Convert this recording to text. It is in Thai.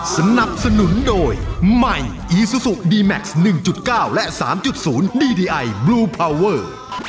สนับสนุนโดยใหม่อีซูซูดีแม็กซ์๑๙และ๓๐ดีดีไอบลูพาวเวอร์